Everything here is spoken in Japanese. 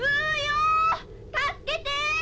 助けて！